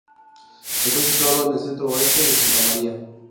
Está situado en el centro-oeste de Santa Maria.